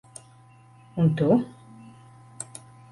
Un tu?